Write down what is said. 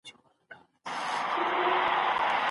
د دولت ارامتیا او هوساینه د خلګو هیله ده.